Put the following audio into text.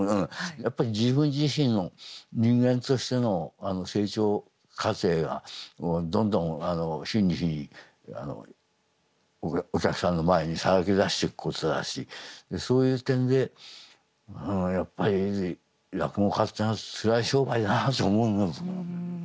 やっぱり自分自身の人間としての成長過程がどんどん日に日にお客さんの前にさらけ出していくことだしそういう点でやっぱり落語家っていうのはつらい商売だなって思います。